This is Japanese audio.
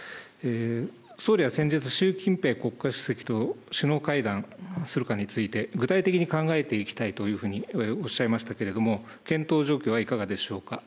総理は先日習近平国家主席と首脳会談するかについて具体的に考えていきたいというふうにおっしゃいましたけれども検討状況はいかがでしょうか。